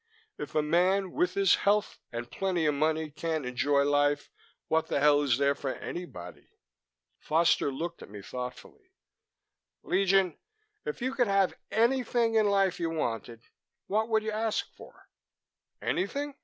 If a man with his health and plenty of money can't enjoy life, what the hell is there for anybody?" Foster looked at me thoughtfully. "Legion, if you could have anything in life you wanted, what would you ask for?" "Anything?